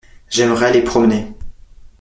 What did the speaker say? J’aimerais aller promener.